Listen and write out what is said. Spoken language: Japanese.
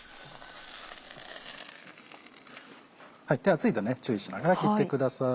熱いので注意しながら切ってください。